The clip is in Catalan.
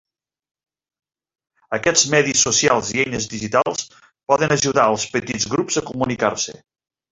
Aquests medis socials i eines digitals poden ajudar als petits grups a comunicar-se.